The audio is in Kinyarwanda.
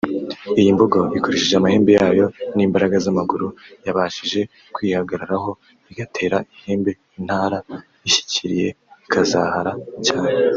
Iyi mbogo ikoresheje amahembe yayo n’imbaraga z’amaguru yabashije kwihagararaho igatera ihembe intara ishyikiriye ikazahara cyane